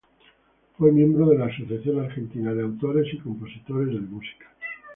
Fue miembro de la Asociación Argentina de Autores y Compositores de música.